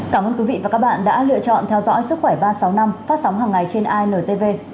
cảm ơn quý vị và các bạn đã lựa chọn theo dõi sức khỏe ba trăm sáu mươi năm phát sóng hằng ngày trên intv